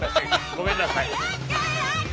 ごめんなさい。